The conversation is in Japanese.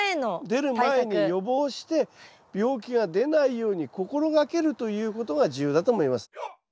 出る前に予防して病気が出ないように心がけるということが重要だと思います。